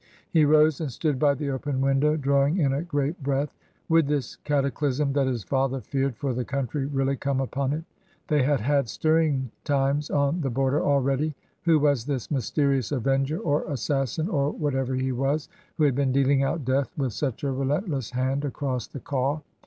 He rose and stood by the open window, drawing in a great breath. Would this cataclysm that his father feared for the country really come upon it ? They had had stirring times on the border already. Who was this mysterious avenger or assassin, or whatever he was, who had been dealing out death with such a relentless hand across the Kaw